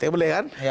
ya boleh kan